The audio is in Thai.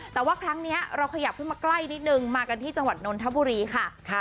แต่ว่าครั้งนี้เราขยับขึ้นมาใกล้นิดนึงมากันที่จังหวัดนนทบุรีค่ะ